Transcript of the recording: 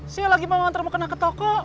saya lagi mau ngantar mau kena ke toko